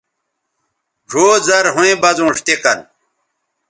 ڙھؤ زرھویں بزونݜ تے کن